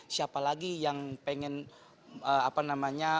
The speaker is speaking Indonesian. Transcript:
siapa lagi yang pengen apa namanya